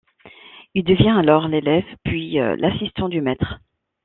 Il devient alors l'élève puis l'assistant du maître.